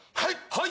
「はい！」